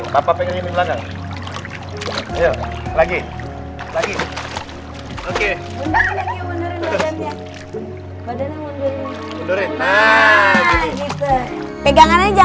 papa pegangin di belakang